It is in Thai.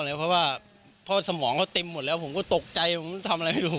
เพราะว่าเพราะสมองเขาเต็มหมดแล้วผมก็ตกใจผมทำอะไรไม่รู้